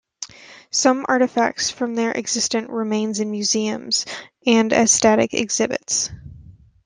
Some artifacts from their existence remains in museums and as static exhibits.